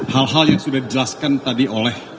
hal hal yang sudah dijelaskan tadi oleh